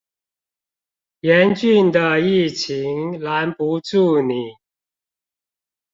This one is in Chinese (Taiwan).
嚴峻的疫情攔不住你